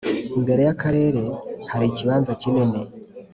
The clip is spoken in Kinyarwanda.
imbere yakarere hari ikibanza kinini